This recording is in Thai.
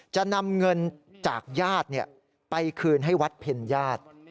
จะนำเงินจากญาติไปคืนให้วัดเพ็ญญาติ